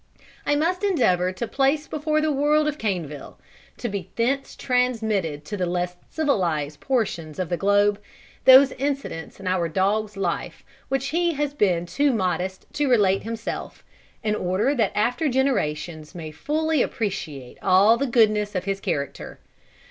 I must endeavour to place before the world of Caneville, to be thence transmitted to the less civilized portions of the globe, those incidents in our Dog's life which he has been too modest to relate himself, in order that after generations may fully appreciate all the goodness of his character.